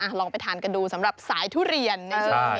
อ่ะลองไปทานกันดูสำหรับสายทุเรียนในช่วงนี้